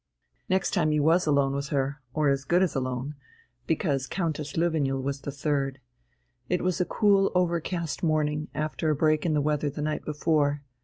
Next time he was alone with her, or as good as alone, because Countess Löwenjoul was the third, it was a cool, over cast morning, after a break in the weather the night before.